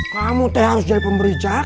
kamu teh harus jadi pemberi cah